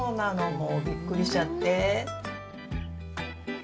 もうびっくりしちゃって。